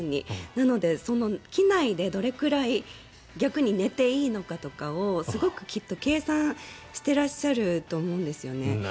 なので、その機内でどれくらい逆に寝ていいのかとかをすごくきっと計算してらっしゃると思うんですよね。